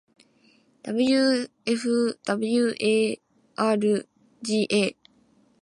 wfwarga